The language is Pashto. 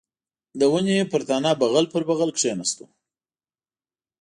د ونې پر تنه بغل پر بغل کښېناستو.